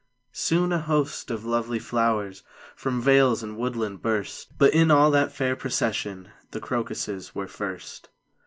Soon a host of lovely flowers From vales and woodland burst; But in all that fair procession The crocuses were first.